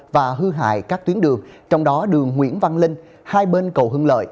và hư hại các tuyến đường trong đó đường nguyễn văn linh hai bên cầu hưng lợi